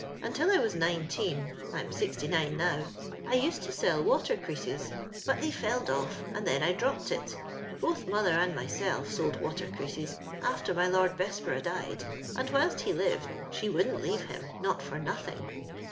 " Until I was nineteen — I'm sixty nine now — I used to sell water creases, but they felled off and then I dropped it. Both mother and myself sold water creases after my Lord Bess borough died ; for whilst he lived she wouldn't leave him not fur nothing.